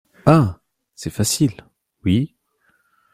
Ah ! c’est facile, oui !